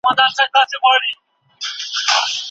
که تمرین وي نو لاس نه لړزیږي.